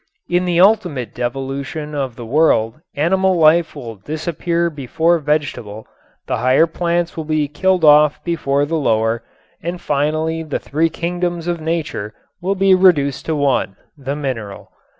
In the ultimate devolution of the world animal life will disappear before vegetable, the higher plants will be killed off before the lower, and finally the three kingdoms of nature will be reduced to one, the mineral.